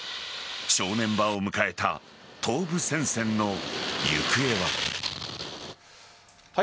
正念場を迎えた東部戦線の行方は。